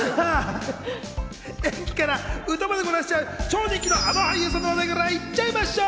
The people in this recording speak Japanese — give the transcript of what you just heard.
まずは演技から歌までこなしちゃう超人気のあの俳優さんの話題からいっちゃいましょう。